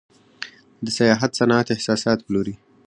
د سیاحت صنعت احساسات پلوري.